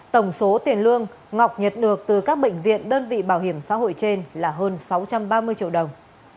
tổng số tiền lương ngọc nhận được từ các bệnh viện đơn vị bảo hiểm xã hội trên là hơn sáu trăm ba mươi triệu đồng